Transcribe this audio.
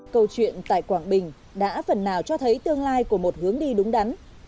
câu chuyện tại quảng bình đã phần nào cho thấy tương lai của một hướng đi đúng đắn